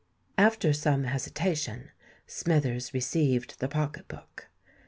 After some hesitation, Smithers received the pocket book.